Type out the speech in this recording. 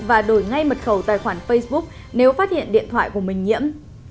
và đổi ngay mật khẩu tài khoản facebook nếu phát hiện điện thoại của mình nhiễm